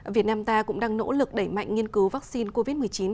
việt nam ta cũng đang nỗ lực đẩy mạnh nghiên cứu vaccine covid một mươi chín